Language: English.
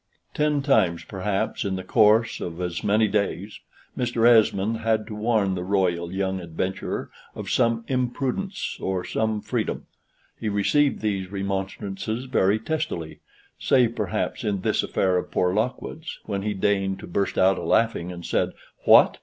Ten times, perhaps, in the course of as many days, Mr. Esmond had to warn the royal young adventurer of some imprudence or some freedom. He received these remonstrances very testily, save perhaps in this affair of poor Lockwood's, when he deigned to burst out a laughing, and said, "What!